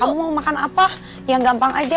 kamu mau makan apa yang gampang aja